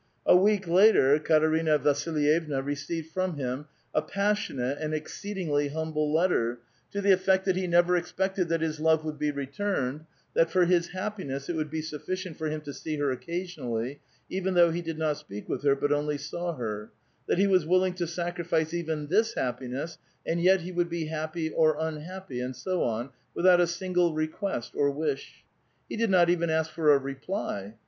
A week later, Katerina Vasilyevna received from him a passion ate and exceedingly humble letter, to the effect that he never expected that his love would be returned, that for his happi ness it would be sufficient for him to see her occasionally, even though he did not speak with her but only saw her; that he was willing to sacrifice even this happiness, and yet he would be happy or unhappy, and so on, without a single request or wish. He did not even ask for a reply.